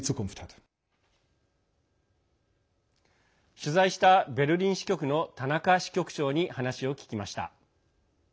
取材したベルリン支局の田中支局長に話を聞きました。